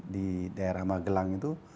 di daerah magelang itu